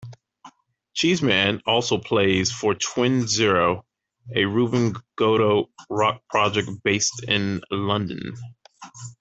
Cheeseman also plays for Twin Zero, a Reuben Gotto rock project based in London.